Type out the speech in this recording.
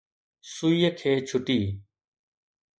سُئيءَ کي ڇُٽي